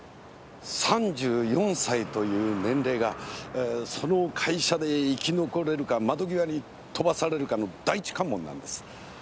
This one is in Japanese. ３４歳という年齢がその会社で生き残れるか窓際に飛ばされるかの第一関門なんです。